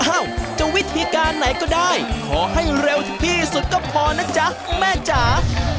จะวิธีการไหนก็ได้ขอให้เร็วที่สุดก็พอนะจ๊ะแม่จ๋า